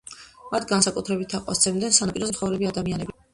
მათ განსაკუთრებით თაყვანს სცემდნენ სანაპიროზე მცხოვრები ადამიანები.